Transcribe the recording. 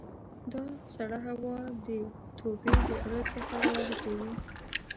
دا سړه هوا د توبې د غره څخه را الوتې وي.